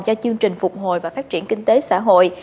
cho chương trình phục hồi và phát triển kinh tế xã hội